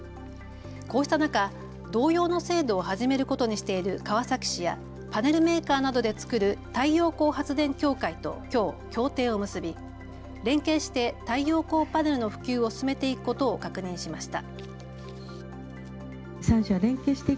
こうした中、同様の制度を始めることにしている川崎市やパネルメーカーなどで作る太陽光発電協会ときょう協定を結び連携して太陽光パネルの普及を進めていくことを確認しました。